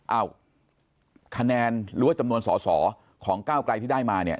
คะแนนหรือว่าจำนวนสอสอของก้าวไกลที่ได้มาเนี่ย